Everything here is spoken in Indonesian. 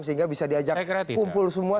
sehingga bisa diajak kumpul semua